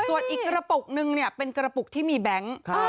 ส่วนอีกกระปุกนึงเนี่ยเป็นกระปุกที่มีแบงค์